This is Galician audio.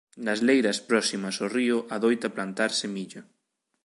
Nas leiras próximas ao río adoita plantarse millo.